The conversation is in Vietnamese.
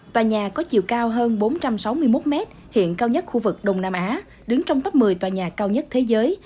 tòa nhà có chiều cao hơn bốn trăm sáu mươi một m hiện cao nhất khu vực đông nam á đứng trong top một mươi tòa nhà cao nhất thế giới